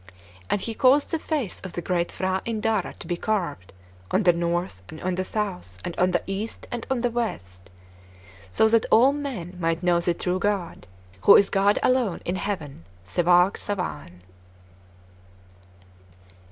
And he caused the face of the great P'hra Indara to be carved on the north and on the south and on the east and on the west so that all men might know the true God, who is God alone in heaven, Sevarg Savan!